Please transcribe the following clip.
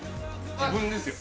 自分ですよ。